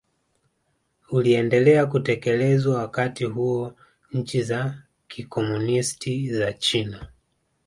uliendelea kutekelezwa Wakati huo nchi za kikomunisti za China